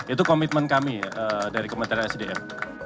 itu komitmen kami dari kementerian sdm